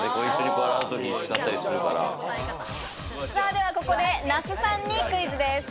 ではここで、那須さんにクイズです。